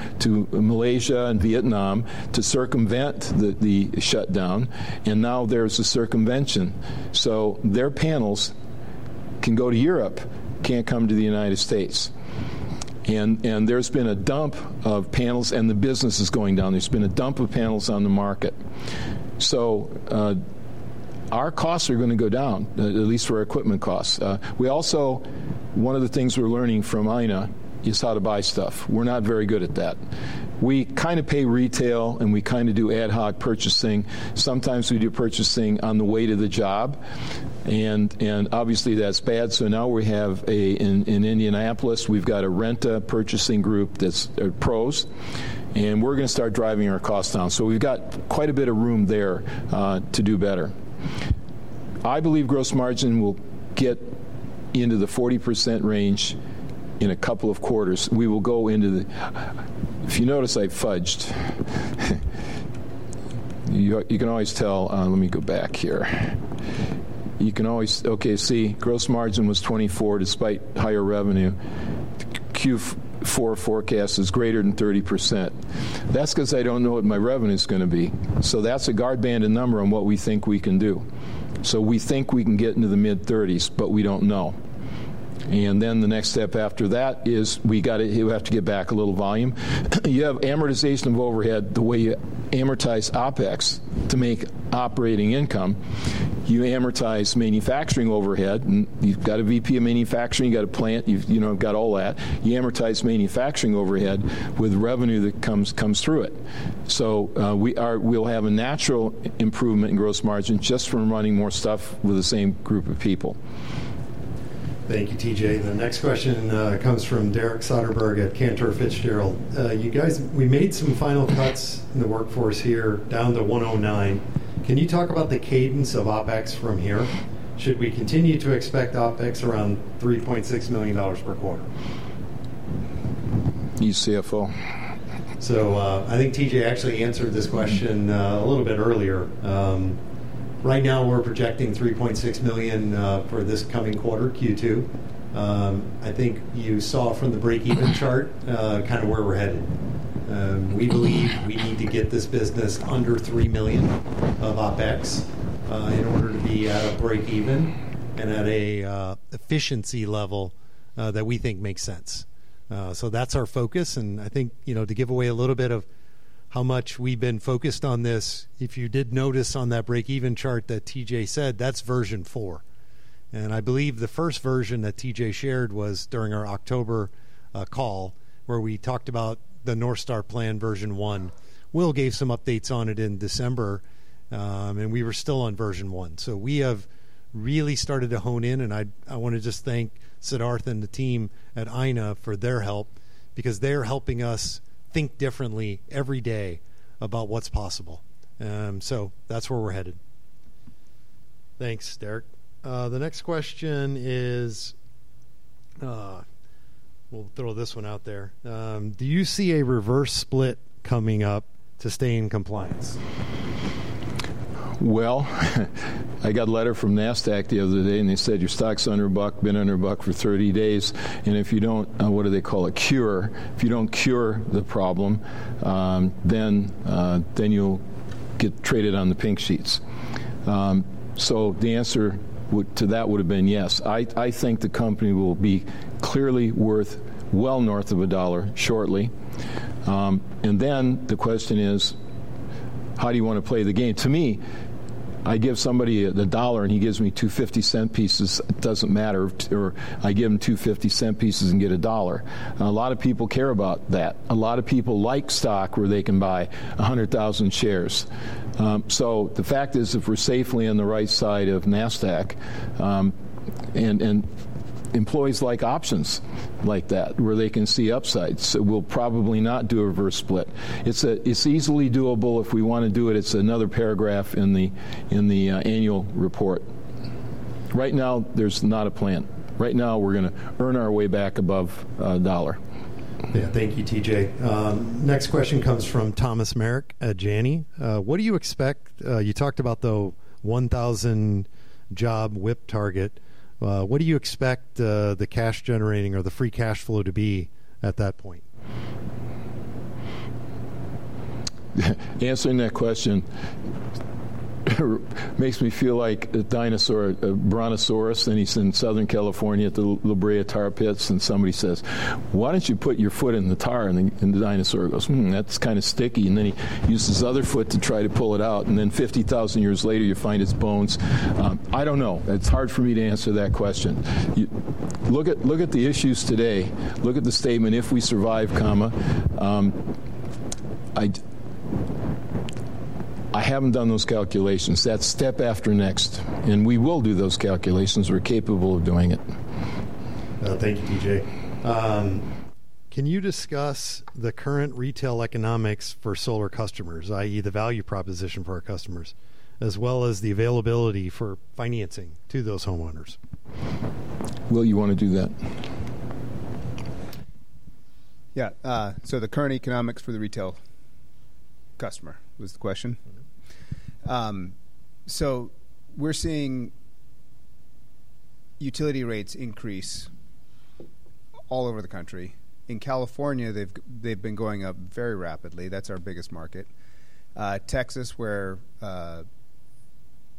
Malaysia and Vietnam to circumvent the shutdown, and now there's a circumvention. So their panels can go to Europe, can't come to the United States. And there's been a dump of panels, and the business is going down. There's been a dump of panels on the market. So, our costs are going to go down, at least for equipment costs. We also - one of the things we're learning from Ayna is how to buy stuff. We're not very good at that. We kind of pay retail, and we kind of do ad hoc purchasing. Sometimes we do purchasing on the way to the job, and obviously, that's bad. So now we have a - In Indianapolis, we've got a rent purchasing group that's pros, and we're going to start driving our costs down. So we've got quite a bit of room there to do better. I believe gross margin will get into the 40% range in a couple of quarters. We will go into the... If you notice, I fudged. You can always tell - Let me go back here. Okay, see, gross margin was 24, despite higher revenue. Q4 forecast is greater than 30%. That's 'cause I don't know what my revenue is going to be, so that's a guard banded number on what we think we can do. So we think we can get into the mid-30s, but we don't know. And then the next step after that is we gotta. We have to get back a little volume. You have amortization of overhead, the way you amortize OpEx to make operating income. You amortize manufacturing overhead, and you've got a VP of manufacturing, you've got a plant, you know, got all that. You amortize manufacturing overhead with revenue that comes through it. So, we'll have a natural improvement in gross margin just from running more stuff with the same group of people. Thank you, TJ. The next question comes from Derek Soderberg at Cantor Fitzgerald. You guys, we made some final cuts in the workforce here, down to 109. Can you talk about the cadence of OpEx from here? Should we continue to expect OpEx around $3.6 million per quarter? You, CFO. I think T.J. actually answered this question a little bit earlier. Right now, we're projecting $3.6 million for this coming quarter, Q2. I think you saw from the break-even chart kind of where we're headed. We believe we need to get this business under $3 million of OpEx in order to be at a break-even and at a efficiency level that we think makes sense. So that's our focus, and I think, you know, to give away a little bit of how much we've been focused on this, if you did notice on that break-even chart that T.J. said, that's version four. I believe the first version that T.J. shared was during our October call, where we talked about the North Star plan, version one. Will gave some updates on it in December, and we were still on version one. So we have really started to hone in, and I want to just thank Siddharth and the team at Ayna for their help because they are helping us think differently every day about what's possible. So that's where we're headed. Thanks, Derek. The next question is... We'll throw this one out there. Do you see a reverse split coming up to stay in compliance? Well, I got a letter from Nasdaq the other day, and they said, "Your stock's under $1, been under $1 for 30 days, and if you don't," what do they call it? Cure. "If you don't cure the problem, then, then you'll get traded on the Pink Sheets." So the answer would, to that would have been yes. I, I think the company will be clearly worth well north of $1 shortly. And then the question is: How do you want to play the game? To me, I give somebody the $1, and he gives me two 50-cent pieces, it doesn't matter, or I give him two 50-cent pieces and get a $1. And a lot of people care about that. A lot of people like stock where they can buy 100,000 shares. So the fact is, if we're safely on the right side of Nasdaq, employees like options like that, where they can see upsides. So we'll probably not do a reverse split. It's easily doable if we wanna do it. It's another paragraph in the annual report. Right now, there's not a plan. Right now, we're gonna earn our way back above $1. Yeah. Thank you, TJ. Next question comes from Thomas Merrick at Janney. What do you expect. You talked about the 1,000 job WIP target. What do you expect, the cash generating or the free cash flow to be at that point? Answering that question makes me feel like a dinosaur, a brontosaurus, and he's in Southern California at the La Brea Tar Pits, and somebody says, "Why don't you put your foot in the tar?" The dinosaur goes, "Hmm, that's kinda sticky." Then he uses his other foot to try to pull it out, and then 50,000 years later, you find his bones. I don't know. It's hard for me to answer that question. Look at the issues today. Look at the statement, "If we survive," comma. I haven't done those calculations. That's step after next, and we will do those calculations. We're capable of doing it. Thank you, T.J. Can you discuss the current retail economics for solar customers, i.e., the value proposition for our customers, as well as the availability for financing to those homeowners? Will, you wanna do that? Yeah, so the current economics for the retail customer was the question? Mm-hmm. So we're seeing utility rates increase all over the country. In California, they've been going up very rapidly. That's our biggest market. Texas, where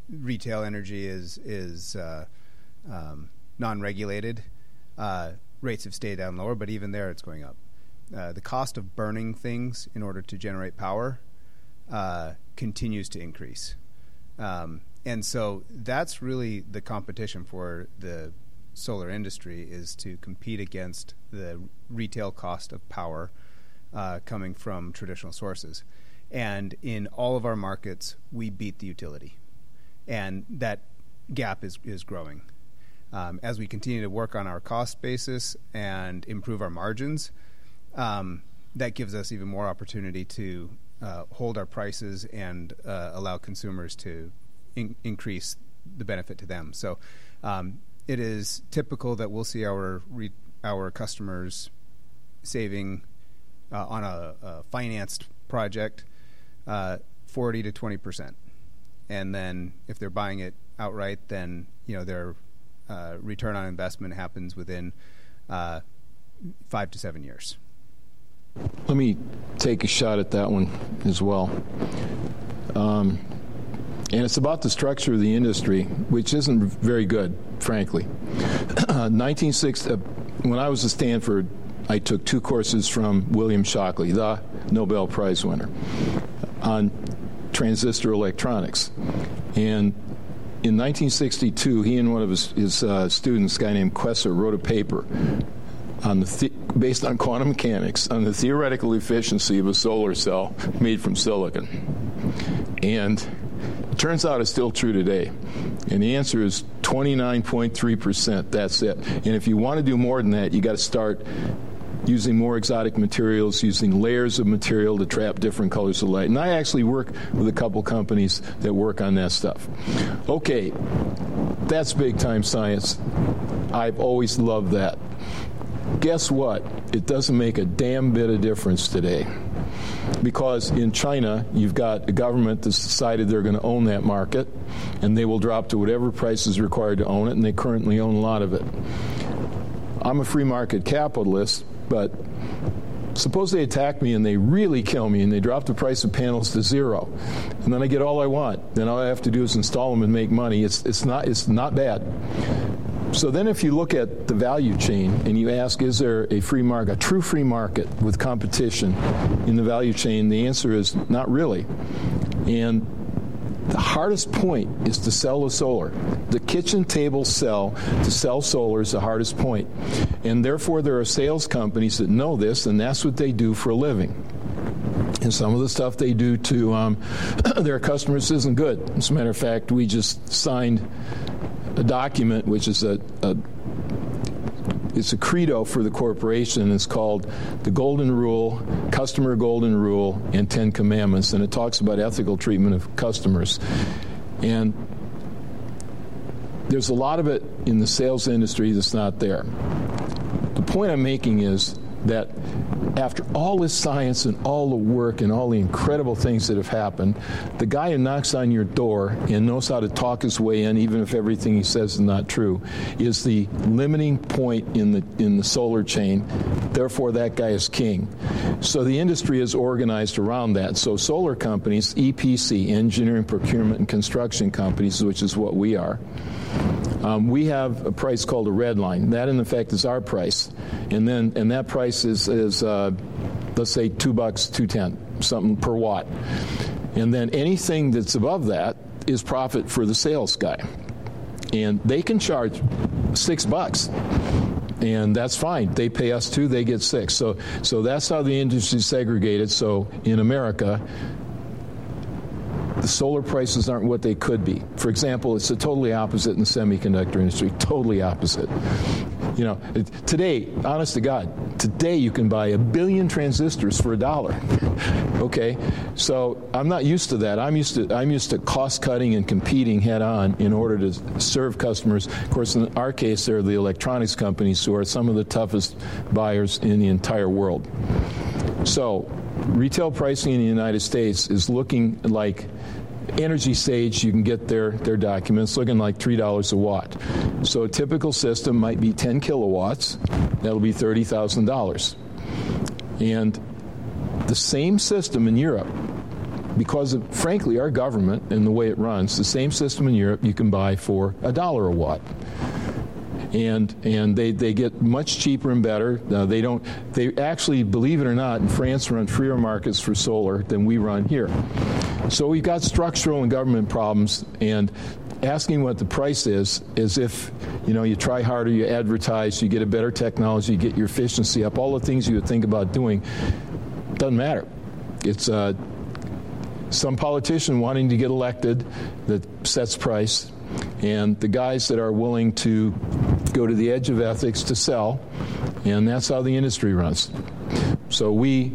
retail energy is non-regulated, rates have stayed down lower, but even there, it's going up. The cost of burning things in order to generate power continues to increase. And so that's really the competition for the solar industry, is to compete against the retail cost of power coming from traditional sources. And in all of our markets, we beat the utility, and that gap is growing. As we continue to work on our cost basis and improve our margins, that gives us even more opportunity to hold our prices and allow consumers to increase the benefit to them. So, it is typical that we'll see our customers saving on a financed project 40%-20%. And then, if they're buying it outright, then, you know, their return on investment happens within five-seven years. Let me take a shot at that one as well. It's about the structure of the industry, which isn't very good, frankly. When I was at Stanford, I took two courses from William Shockley, the Nobel Prize winner, on transistor electronics. In 1962, he and one of his students, a guy named Queisser, wrote a paper based on quantum mechanics, on the theoretical efficiency of a solar cell made from silicon. It turns out it's still true today, and the answer is 29.3%. That's it. If you wanna do more than that, you gotta start using more exotic materials, using layers of material to trap different colors of light. I actually work with a couple companies that work on that stuff. Okay, that's big-time science. I've always loved that. Guess what? It doesn't make a damn bit of difference today. Because in China, you've got a government that's decided they're gonna own that market, and they will drop to whatever price is required to own it, and they currently own a lot of it. I'm a free market capitalist, but suppose they attack me, and they really kill me, and they drop the price of panels to zero, and then I get all I want, then all I have to do is install them and make money. It's, it's not, it's not bad. So then, if you look at the value chain and you ask: Is there a free market, a true free market with competition in the value chain? The answer is: not really. The hardest point is to sell the solar. The kitchen table sell, to sell solar is the hardest point, and therefore, there are sales companies that know this, and that's what they do for a living. Some of the stuff they do to their customers isn't good. As a matter of fact, we just signed a document, which is a credo for the corporation. It's called The Golden Rule, Customer Golden Rule, and Ten Commandments, and it talks about ethical treatment of customers. There's a lot of it in the sales industry that's not there. The point I'm making is that after all this science and all the work and all the incredible things that have happened, the guy who knocks on your door and knows how to talk his way in, even if everything he says is not true, is the limiting point in the solar chain. Therefore, that guy is king. So the industry is organized around that. So solar companies, EPC, engineering, procurement, and construction companies, which is what we are, we have a price called a redline. That, in effect, is our price, and then that price is, let's say $2, $2.10, something per watt. And then anything that's above that is profit for the sales guy, and they can charge $6, and that's fine. They pay us $2, they get $6. So that's how the industry's segregated. So in America... The solar prices aren't what they could be. For example, it's the totally opposite in the semiconductor industry, totally opposite. You know, today, honest to God, today, you can buy 1 billion transistors for $1, okay? So I'm not used to that. I'm used to cost-cutting and competing head-on in order to serve customers. Of course, in our case, they're the electronics companies, who are some of the toughest buyers in the entire world. So retail pricing in the United States is looking like EnergySage. You can get their documents, looking like $3 a watt. So a typical system might be 10 kilowatts, that'll be $30,000. And the same system in Europe, because of, frankly, our government and the way it runs, the same system in Europe, you can buy for $1 a watt. And they get much cheaper and better. They don't. They actually, believe it or not, in France, run freer markets for solar than we run here. So we've got structural and government problems, and asking what the price is is if, you know, you try harder, you advertise, you get a better technology, you get your efficiency up, all the things you would think about doing, doesn't matter. It's some politician wanting to get elected that sets price and the guys that are willing to go to the edge of ethics to sell, and that's how the industry runs. So we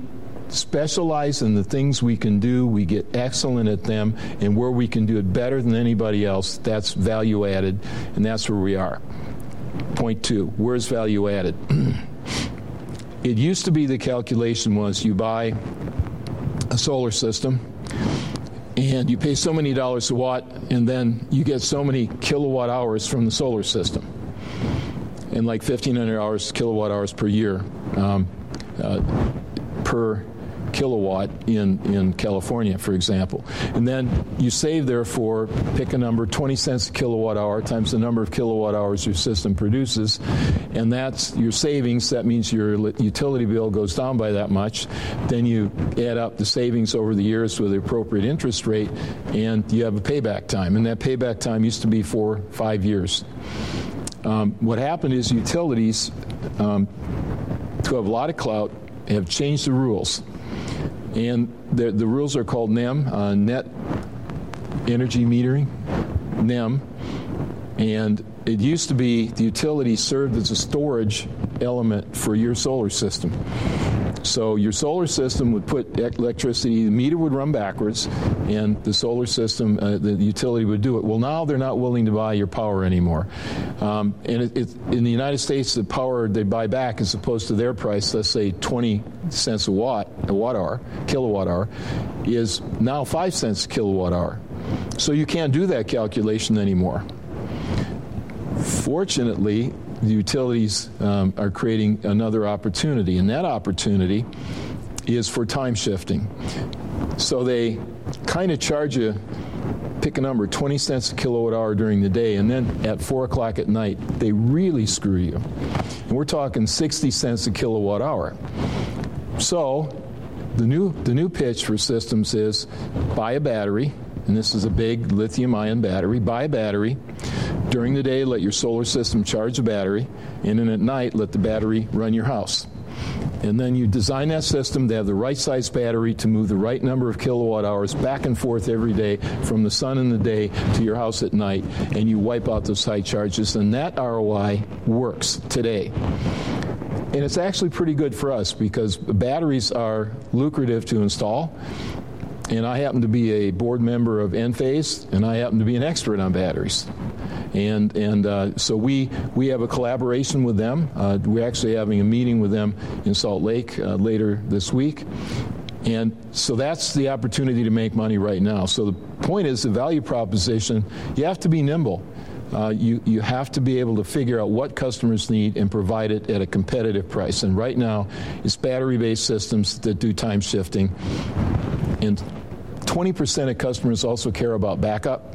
specialize in the things we can do, we get excellent at them, and where we can do it better than anybody else, that's value added, and that's where we are. Point two, where's value added? It used to be the calculation was you buy a solar system, and you pay so many dollars a watt, and then you get so many kilowatt hours from the solar system, in, like, 1,500 hours kWh per year, per kilowatt in California, for example. And then you save therefore, pick a number, $0.20/kWh times the number of kWh your system produces, and that's your savings. That means your utility bill goes down by that much. Then you add up the savings over the years with the appropriate interest rate, and you have a payback time, and that payback time used to be four-five years. What happened is utilities, who have a lot of clout, have changed the rules, and the rules are called NEM, Net Energy Metering, NEM. It used to be the utility served as a storage element for your solar system. So your solar system would put electricity, the meter would run backwards, and the solar system, the utility would do it. Well, now they're not willing to buy your power anymore. In the United States, the power they buy back, as opposed to their price, let's say $0.20 a watt, a watt hour, kWh, is now $0.05 a kWh. So you can't do that calculation anymore. Fortunately, the utilities are creating another opportunity, and that opportunity is for time shifting. So they kinda charge you, pick a number, $0.20 a kWh during the day, and then at 4:00 P.M., they really screw you, and we're talking $0.60 a kWh. The new pitch for systems is buy a battery, and this is a big lithium-ion battery. Buy a battery. During the day, let your solar system charge the battery, and then at night, let the battery run your house. And then you design that system to have the right size battery to move the right number of kilowatt hours back and forth every day from the sun in the day to your house at night, and you wipe out those high charges, and that ROI works today. And it's actually pretty good for us because batteries are lucrative to install, and I happen to be a board member of Enphase, and I happen to be an expert on batteries. And so we have a collaboration with them. We're actually having a meeting with them in Salt Lake later this week. That's the opportunity to make money right now. So the point is, the value proposition, you have to be nimble. You have to be able to figure out what customers need and provide it at a competitive price, and right now, it's battery-based systems that do time shifting. And 20% of customers also care about backup.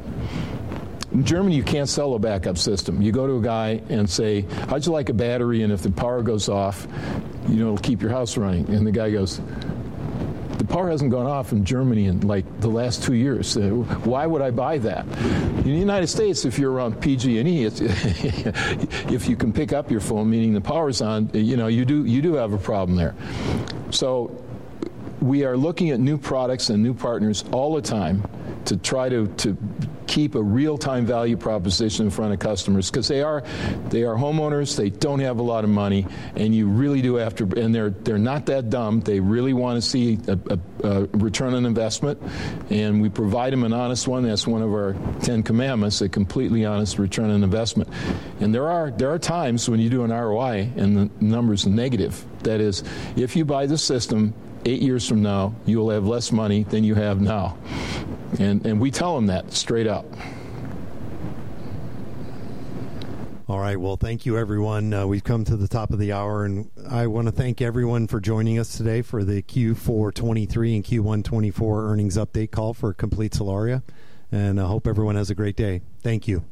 In Germany, you can't sell a backup system. You go to a guy and say, "How'd you like a battery? And if the power goes off, you know, it'll keep your house running." And the guy goes, "The power hasn't gone off in Germany in, like, the last two years. Why would I buy that?" In the United States, if you're on PG&E, if you can pick up your phone, meaning the power is on, you know, you do have a problem there. So we are looking at new products and new partners all the time to try to keep a real-time value proposition in front of customers because they are homeowners, they don't have a lot of money, and you really do have to... And they're not that dumb. They really wanna see a return on investment, and we provide them an honest one. That's one of our 10 commandments, a completely honest return on investment. And there are times when you do an ROI and the number's negative. That is, "If you buy this system, eight years from now, you will have less money than you have now." And we tell them that straight up. All right. Well, thank you, everyone. We've come to the top of the hour, and I wanna thank everyone for joining us today for the Q4 2023 and Q1 2024 earnings update call for Complete Solaria, and I hope everyone has a great day. Thank you.